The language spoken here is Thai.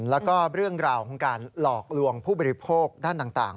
แล้วก็เรื่องราวของการหลอกลวงผู้บริโภคด้านต่าง